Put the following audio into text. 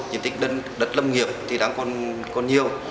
diện tích đất lâm nghiệp thì đáng còn nhiều